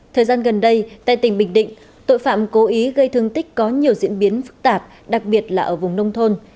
thời gian gần đây tại tỉnh bình định tội phạm cố ý gây thương tích có nhiều diễn biến phức tạp đặc biệt là ở vùng nông thôn